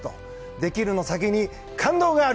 できるの先に感動がある。